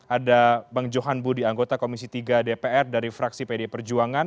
ada bang johan budi anggota komisi tiga dpr dari fraksi pd perjuangan